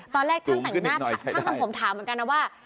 ตอนแรกท่านทำผมถามเหมือนกันนะว่า